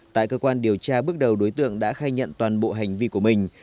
tại cơ quan điều tra bước đầu đối tượng đã khai nhận toàn bộ hành vi của mình